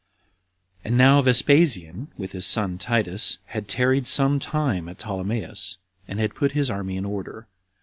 1. And now Vespasian, with his son Titus, had tarried some time at Ptolemais, and had put his army in order.